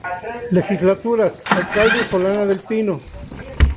Legislaturas: Alcaldes Solana del Pino.